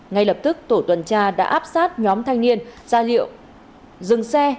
ngay lập tức tổ tuần tra đã áp sát nhóm thanh niên ra liệu dừng xe